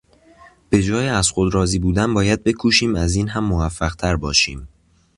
به جای از خود راضی بودن باید بکوشیم از این هم موفقتر باشیم.